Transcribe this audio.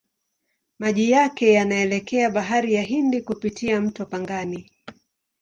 Maji yake yanaelekea Bahari ya Hindi kupitia mto Pangani.